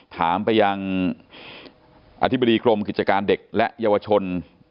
ถามไปยังอธิบดีกรมกิจการเด็กและเยาวชน